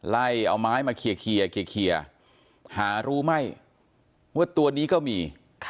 ไล่เอาไม้มาเคลียร์หารู้ไม่ว่าตัวนี้ก็มี